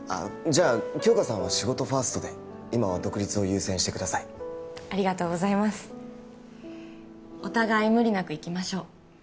じゃあ杏花さんは仕事ファーストで今は独立を優先してくださいありがとうございますお互い無理なくいきましょう